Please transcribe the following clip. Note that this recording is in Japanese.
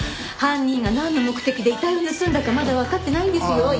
犯人がなんの目的で遺体を盗んだかまだわかってないんですよ。